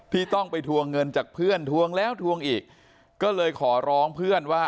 ที่ต้องไปทวงเงินจากเพื่อนทวงแล้วทวงอีกก็เลยขอร้องเพื่อนว่า